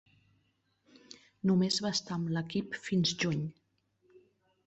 Només va estar amb l"equip fins juny.